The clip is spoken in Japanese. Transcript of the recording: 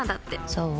そう？